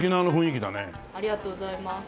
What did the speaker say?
ありがとうございます。